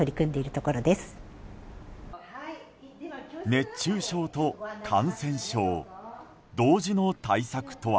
熱中症と感染症同時の対策とは。